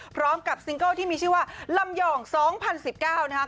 พร้อมกับซิงเกิลที่มีชื่อว่าลำย่อง๒๐๑๙นะครับ